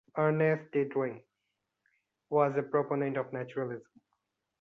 Ernst Didring was a proponent of naturalism.